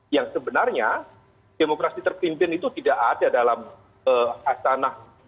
yang sebenarnya demokrasi terpimpin itu tidak ada dalam astanah